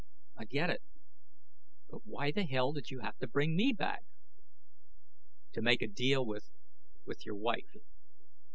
"I get it. But why the hell did you have to bring me back?" "To make a deal with with your wife."